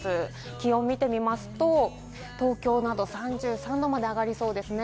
気温を見てみますと、東京など３３度まで上がりそうですね。